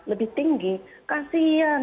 lebih tinggi kasian